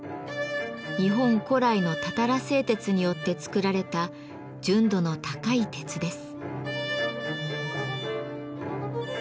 日本古来のたたら製鉄によって作られた純度の高い鉄です。